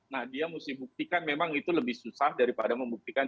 nah dia mesti buktikan memang itu lebih susah daripada membuktikan tiga ratus tiga puluh delapan